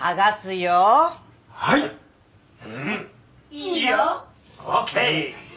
いいよ！ＯＫ！